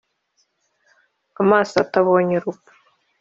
amaso atabonye urupfu,